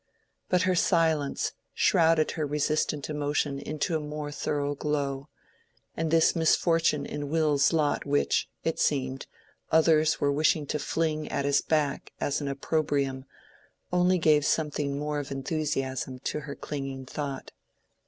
But her silence shrouded her resistant emotion into a more thorough glow; and this misfortune in Will's lot which, it seemed, others were wishing to fling at his back as an opprobrium, only gave something more of enthusiasm to her clinging thought.